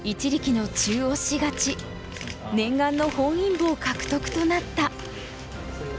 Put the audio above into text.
念願の本因坊獲得となった。